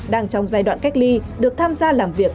đang trong giai đoạn cách ly được tham gia làm việc